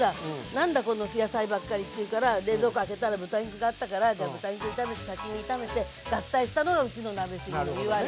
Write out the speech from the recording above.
なんだこの野菜ばっかりって言うから冷蔵庫を開けたら豚肉があったからじゃあ豚肉炒めて先に炒めて合体したのがうちの鍋しげのいわれ。